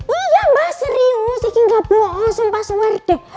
iya mbak serius ini enggak bohong sempa sempurna deh